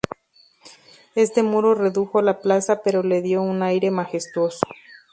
Este muro redujo la plaza pero le dio un aire majestuoso.